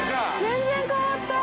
全然変わった。